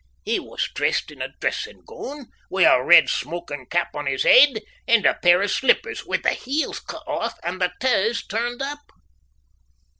He was dressed in a dressin' goon, wi' a red smokin' cap on his heid, and a pair o' slippers wi' the heels cut off and the taes turned up.